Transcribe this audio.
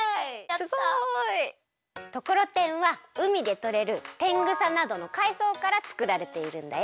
ところてんは海でとれるてんぐさなどのかいそうからつくられているんだよ。